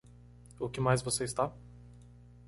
O que mais você está?